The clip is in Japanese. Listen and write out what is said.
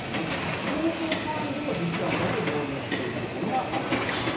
市町村単位でも自治体割を導入しているところがあったりします。